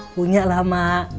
punya lah ma